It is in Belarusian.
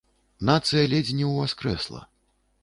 Нацыя ледзь не ўваскрэсла.